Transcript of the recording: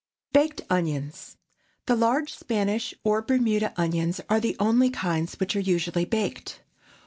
BAKED ONIONS. The large Spanish or Bermuda onions are the only kinds which are usually baked.